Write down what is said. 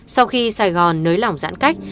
sau khi sài gòn nới lỏng giãn cách